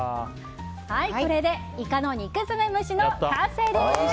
これでイカの肉づめ蒸しの完成です。